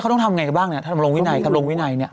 เขาต้องทำยังไงบ้างเนี่ยถ้าทำลงวินัย